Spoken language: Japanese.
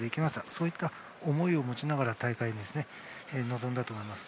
そういった思いを持ちながら大会に臨んだと思います。